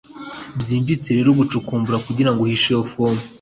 byimbitse rero gucukumbura kugirango uhishe iyo fomu!